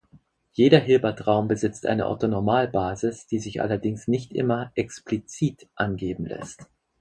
Jeder Hilbertraum besitzt eine Orthonormalbasis, die sich allerdings nicht immer explizit angeben lässt.